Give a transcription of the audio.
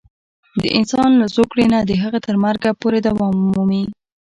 د انسان له زوکړې نه د هغه تر مرګه پورې دوام مومي.